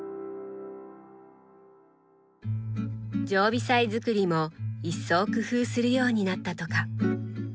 常備菜作りも一層工夫するようになったとか。